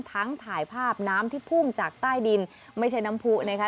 ถ่ายภาพน้ำที่พุ่งจากใต้ดินไม่ใช่น้ำผู้นะคะ